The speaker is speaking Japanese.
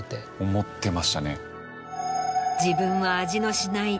思ってましたね。